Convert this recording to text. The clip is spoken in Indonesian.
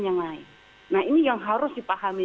yang lain nah ini yang harus dipahami